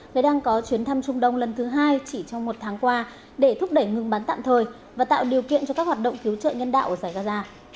người đang có chuyến thăm trung đông lần thứ hai chỉ trong một tháng qua để thúc đẩy ngừng bắn tạm thời và tạo điều kiện cho các hoạt động cứu trợ nhân đạo ở giải gaza